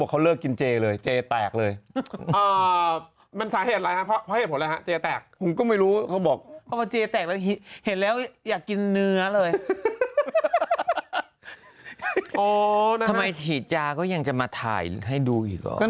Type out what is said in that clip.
ก็นั่นแหละดิบทดับก็ถ่ายอะไม่รู้